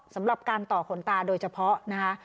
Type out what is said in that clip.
สำหรับการต่อขนตาโดยเฉพาะนะคะ